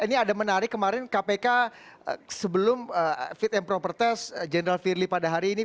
ini ada menarik kemarin kpk sebelum fit and properties general firli pada hari ini